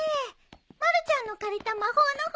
まるちゃんの借りた『魔法の本』